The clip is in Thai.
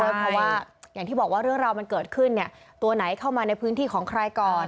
เพราะว่าอย่างที่บอกว่าเรื่องราวมันเกิดขึ้นตัวไหนเข้ามาในพื้นที่ของใครก่อน